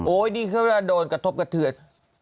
โอ้ยนี่เค้าโดนกระทบกระเทือน